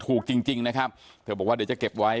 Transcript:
ถูกจริงนะครับเธอบอกว่าเดี๋ยวจะเก็บไว้